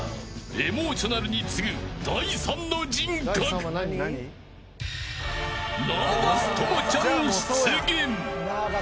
エモーショナルに次ぐ第三の人格ナーバス朋ちゃん出現。